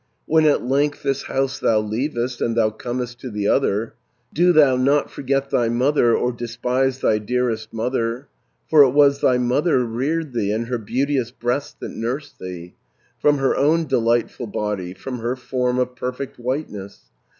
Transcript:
When at length this house thou leavest, And thou comest to the other, 450 Do thou not forget thy mother, Or despise thy dearest mother, For it was thy mother reared thee, And her beauteous breasts that nursed thee, From her own delightful body, From her form of perfect whiteness.